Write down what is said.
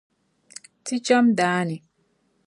Ti cham daa ni.